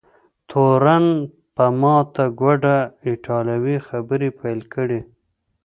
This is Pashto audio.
تورن په ماته ګوډه ایټالوي خبرې پیل کړې.